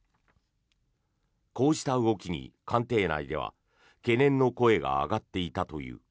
こうした動きに官邸内では懸念の声が上がっていたという。